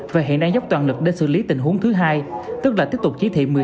và hiện đang dốc toàn lực để xử lý tình huống thứ hai tức là tiếp tục chỉ thị một mươi sáu